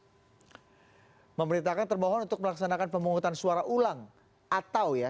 pemerintahkan termohon untuk melaksanakan pemungutan suara ulang atau ya